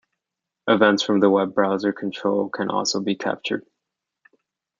Events from the web browser control can also be captured.